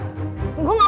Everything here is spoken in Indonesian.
gue gak mau